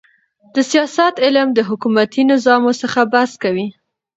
د سیاست علم د حکومتي نظامو څخه بحث کوي.